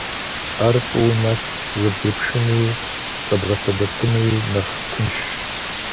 Ар фӀыуэ мэс, зэбгрыпшынуи къэбгъэсэбэпынуи нэхъ тыншщ.